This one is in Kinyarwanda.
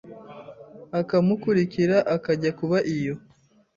akamukurikira akajya kuba iyo.”